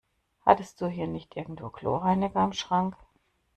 Hattest du hier nicht irgendwo Chlorreiniger im Schrank?